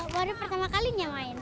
baru pertama kalinya main